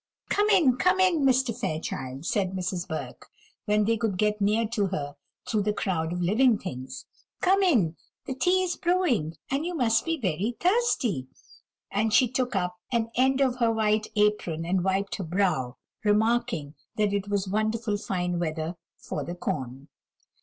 "Come in, come in, Mr. Fairchild," said Mrs. Burke, when they could get near to her through the crowd of living things; "come in, the tea is brewing; and you must be very thirsty." And she took up an end of her white apron and wiped her brow, remarking that it was wonderful fine weather for the corn.